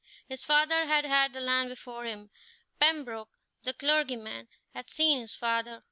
His father had had the land before him. Pembroke, the clergyman, had seen his father.